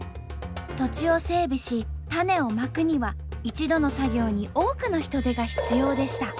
土地を整備し種をまくには一度の作業に多くの人手が必要でした。